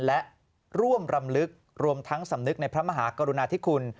และร่วมรำลึกรวมทั้งสำนึกในพระมหากรุณาธิคุณ